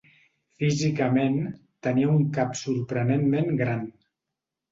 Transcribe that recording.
Físicament, tenia un cap sorprenentment gran.